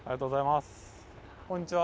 こんにちは！